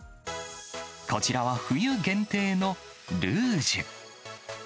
こちらは冬限定のルージュ。